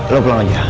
lo pulang aja